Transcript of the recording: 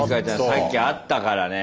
さっきあったからねえ。